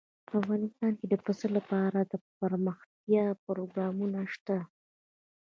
افغانستان کې د پسه لپاره دپرمختیا پروګرامونه شته.